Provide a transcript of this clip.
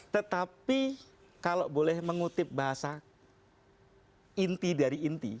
tetapi kalau boleh mengutip bahasa inti dari inti